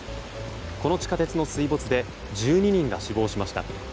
この地下鉄の水没で１２人が死亡しました。